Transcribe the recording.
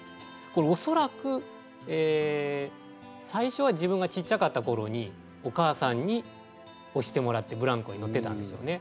これおそらくえ最初は自分がちっちゃかった頃にお母さんに押してもらってぶらんこに乗ってたんですよね。